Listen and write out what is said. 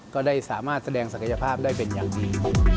ก็ได้สามารถแสดงศักยภาพได้เป็นอย่างดี